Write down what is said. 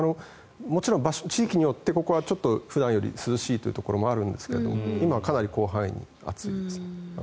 もちろん地域によってここは普段より涼しいというところもありますが今、かなり広範囲で暑いです。